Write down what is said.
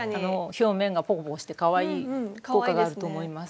表面がポコポコしてかわいい効果があると思います。